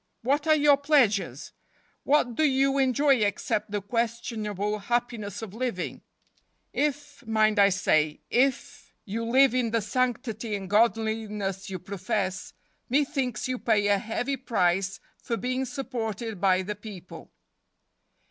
What are your pleasures? What do you enjoy ex¬ cept the questionable happiness of living? If—mind I say if —you live in the sanctity and godliness you profess, methinks you pay a heavy price for being supported by the people."